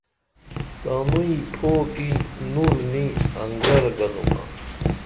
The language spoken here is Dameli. تانوئیں پھو کی نور نی انگر گنُمہ